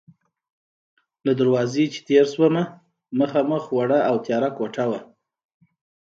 له دروازې چې تېر شوم، مخامخ وړه او تیاره کوټه وه.